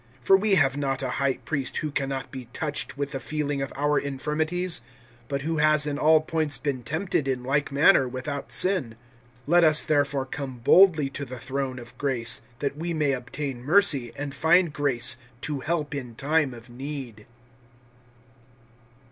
(15)For we have not a high priest who can not be touched with the feeling of our infirmities, but who has in all points been tempted in like manner, without sin. (16)Let us therefore come boldly to the throne of grace, that we may obtain mercy, and find grace to help in time of need.